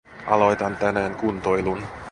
Aloitan tänään kuntoilun.